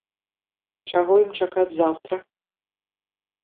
Чаго ім чакаць заўтра?